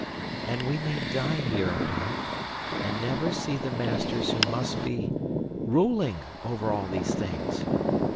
And we may die here upon it, and never see the masters who must be—ruling over these things!